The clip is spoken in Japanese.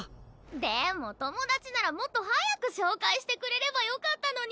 でも友達ならもっと早く紹介してくれればよかったのに。